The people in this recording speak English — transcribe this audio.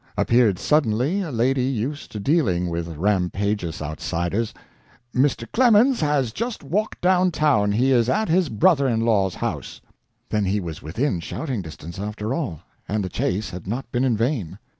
Appeared suddenly a lady used to dealing with rampageous outsiders. "Mr. Clemens has just walked down town. He is at his brother in law's house." Then he was within shouting distance, after all, and the chase had not been in vain.